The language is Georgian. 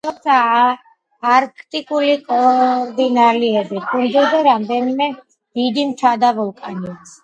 ეს კუნძული მთიანია, აქ მდებარეობს არქტიკული კორდილიერები, კუნძულზე რამდენიმე დიდი მთა და ვულკანია.